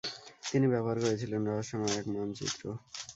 তিনি ব্যবহার করেছিলেন ‘রহস্যময়’ এক মানচিত্র।